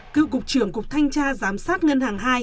cựu cục trưởng cục thanh tra giám sát ngân hàng hai